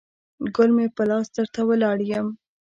ګل مې په لاس درته ولاړ یم